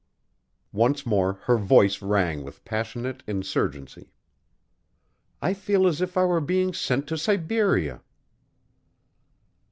Once more her voice rang with passionate insurgency. "I feel as if I were being sent to Siberia."